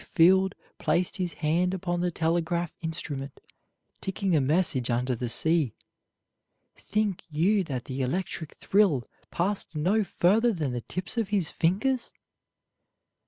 Field placed his hand upon the telegraph instrument ticking a message under the sea, think you that the electric thrill passed no further than the tips of his fingers?